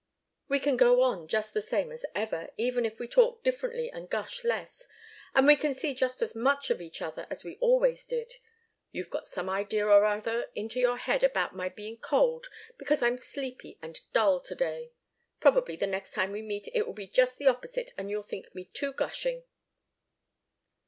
We can go on just the same as ever, even if we talk differently and gush less, and we can see just as much of each other as we always did. You've got some idea or other into your head about my being cold, because I'm sleepy and dull to day. Probably the next time we meet it will be just the opposite, and you'll think me too gushing."